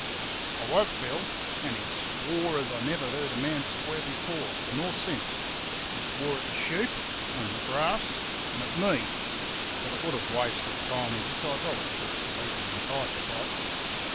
"I woke Bill, and he swore as I never heard a man swear before—nor since. He swore at the sheep, and the grass, and at me; but it would have wasted time, and besides I was too sleepy and tired to fight.